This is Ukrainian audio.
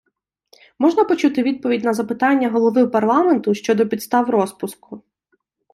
Можна почути відповідь на запитання Голови парламенту щодо підстав розпуску?